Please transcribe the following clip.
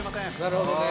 なるほどね。